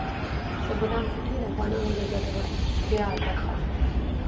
د بولان پټي د افغانانو د ګټورتیا برخه ده.